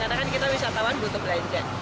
karena kan kita wisatawan butuh belanja